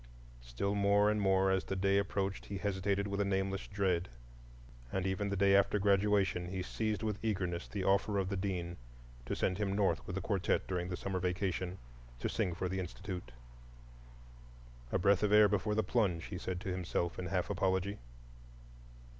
Still, more and more as the day approached he hesitated with a nameless dread; and even the day after graduation he seized with eagerness the offer of the Dean to send him North with the quartette during the summer vacation, to sing for the Institute. A breath of air before the plunge, he said to himself in half apology.